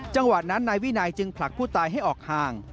จังหวะนั้นนายวินัยจึงผลักผู้ตายให้ออกห่าง